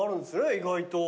意外と。